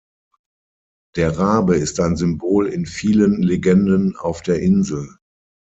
Der Rabe ist ein Symbol in vielen Legenden auf der Insel.